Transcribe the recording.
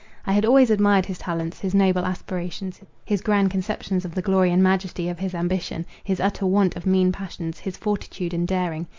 I had always admired his talents; his noble aspirations; his grand conceptions of the glory and majesty of his ambition: his utter want of mean passions; his fortitude and daring.